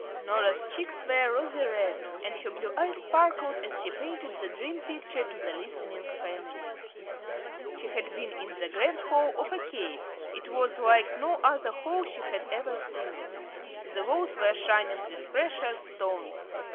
Norah's cheeks were rosy red, and her blue eyes sparkled as she painted the dream picture to the listening family. She had been in the grand hall of a cave. It was like no other hall she had ever seen. The walls were shining with precious stones.